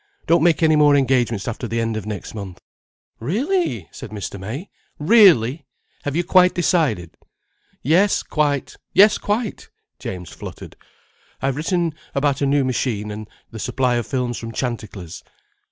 "Don't make any more engagements after the end of next month." "Really!" said Mr. May. "Really! Have you quite decided?" "Yes quite! Yes quite!" James fluttered. "I have written about a new machine, and the supply of films from Chanticlers."